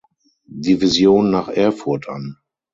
Division nach Erfurt an.